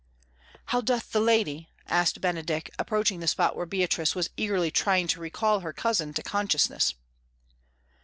"How doth the lady?" asked Benedick, approaching the spot where Beatrice was eagerly trying to recall her cousin to consciousness.